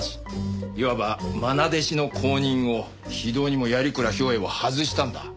いわば愛弟子の公認を非道にも鑓鞍兵衛は外したんだ。